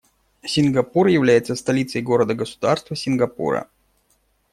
Сингапур является столицей города-государства Сингапура.